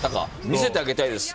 見せてあげたいです